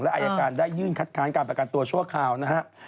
อายการได้ยื่นคัดค้านการประกันตัวชั่วคราวนะครับ